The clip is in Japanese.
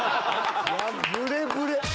ブレブレ！